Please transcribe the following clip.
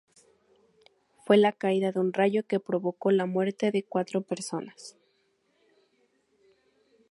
Fue la caída de un rayo que provocó la muerte de cuatro personas.